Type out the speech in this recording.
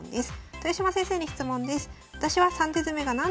「豊島先生に質問です」。